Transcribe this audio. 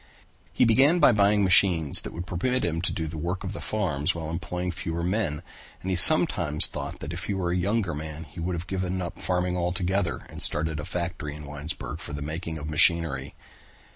He began to buy machines that would permit him to do the work of the farms while employing fewer men and he sometimes thought that if he were a younger man he would give up farming altogether and start a factory in Winesburg for the making of machinery.